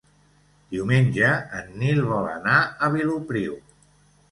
Diumenge en Nil vol anar a Vilopriu.